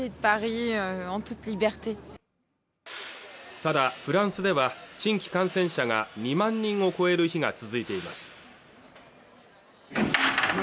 ただフランスでは新規感染者が２万人を超える日が続いています